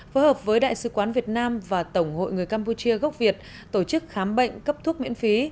phối hợp với đại sứ quán việt nam và tổng hội người campuchia gốc việt tổ chức khám bệnh cấp thuốc miễn phí